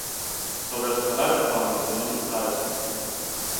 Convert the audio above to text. Стога смо радикално измијенили тај систем.